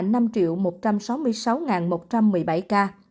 bệnh nhân được công bố khỏi là năm một trăm sáu mươi sáu một trăm một mươi bảy ca